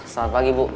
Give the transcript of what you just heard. selamat pagi bu